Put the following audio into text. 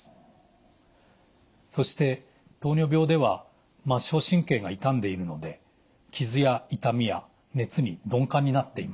そして糖尿病では末梢神経が傷んでいるので傷や痛みや熱に鈍感になっています。